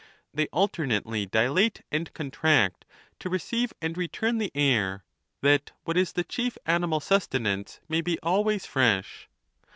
piratiou; they alternately dilate and contract to receive and return the air, that what is the chief animal suste nance may be always fresh.